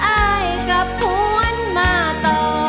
อายกลับหวนมาต่อ